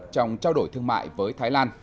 trong trao đổi thương mại với thái lan